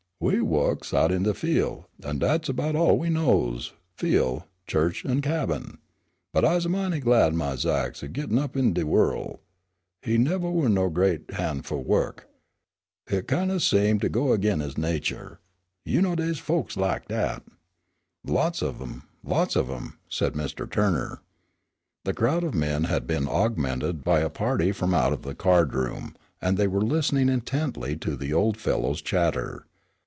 We wo'ks out in de fiel', and dat's about all we knows fiel', chu'ch an' cabin. But I's mighty glad my Zach 's gittin' up in de worl'. He nevah were no great han' fu' wo'k. Hit kin' o' seemed to go agin his natur'. You know dey is folks lak dat." "Lots of 'em, lots of 'em," said Mr. Turner. The crowd of men had been augmented by a party from out of the card room, and they were listening intently to the old fellow's chatter.